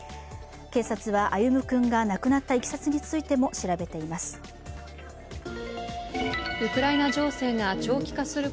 警察は歩夢君が亡くなったいきさつについても調べています。